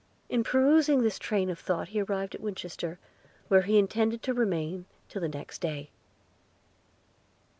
In pursuing this train of thought he arrived at Winchester, where he intended to remain till the next day.